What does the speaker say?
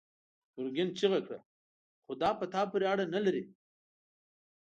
ګرګين چيغه کړه: خو دا په تا پورې اړه نه لري!